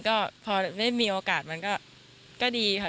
ก็พอได้มีโอกาสมันก็ดีค่ะ